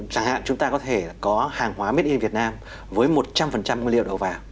chẳng hạn chúng ta có thể có hàng hóa made in việt nam với một trăm linh nguyên liệu đầu vào